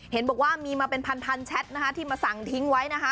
เห็นบอกว่ามีมาเป็นพันแชทนะคะที่มาสั่งทิ้งไว้นะคะ